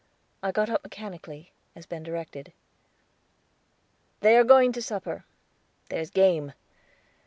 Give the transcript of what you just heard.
I got up mechanically, as Ben directed. "They are going to supper. There's game.